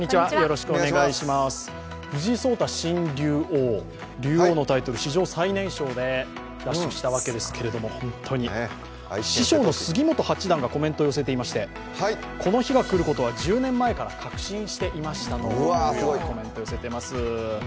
藤井聡太新竜王、竜王のタイトル史上最年少で奪取したわけですが師匠の杉本八段がコメントを寄せていましてこの日が来ることは１０年前から確信していましたというコメント、寄せています。